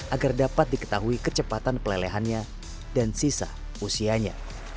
agar dapat diketahui kecepatan pelelehannya dan sisa usianya